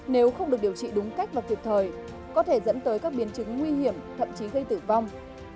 nếu không được điều trị đúng cách và kịp thời có thể dẫn tới các biến chứng nguy hiểm thậm chí gây tử vong